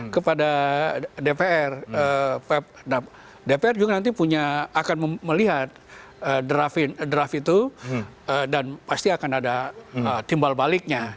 kepada dpr dpr juga nanti punya akan melihat draft itu dan pasti akan ada timbal baliknya